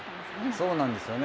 そうなんですよね。